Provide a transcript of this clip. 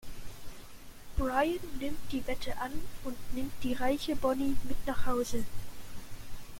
Brian nimmt die Wette an und nimmt die reiche Bonnie mit nach Hause.